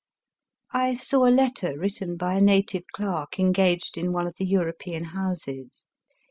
I saw a letter written by a native clerk engaged in one of the European houses.